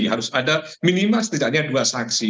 harus ada minimal setidaknya dua saksi